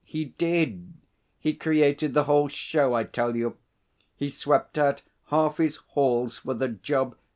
He did! He created the whole show, I tell you. He swept out half his Halls for the job.